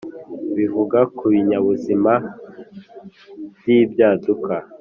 bivuga ku binyabuzima by ibyaduka